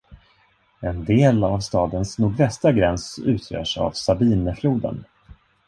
En del av stadens nordvästra gräns utgörs av Sabinefloden.